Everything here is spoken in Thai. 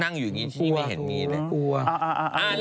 นั่งอยู่อยู่ที่นี้ไม่เห็นมีแหละ